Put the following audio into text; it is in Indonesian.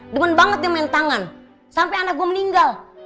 demen banget dia main tangan sampai anak gue meninggal